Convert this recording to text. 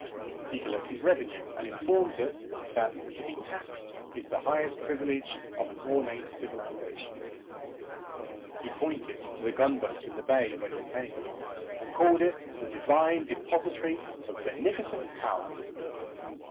He collects his revenue, and informs us that to be taxed is the highest privilege of an ornate civilisation. He pointed to the gunboat in the bay when it came, and called it the divine depository of beneficent power.